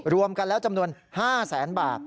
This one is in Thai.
รวมกันแล้วจำนวน๕แสนบาท